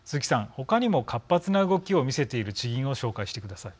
他にも活発な動きを見せている地銀を紹介してください。